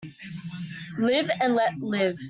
Live and let live.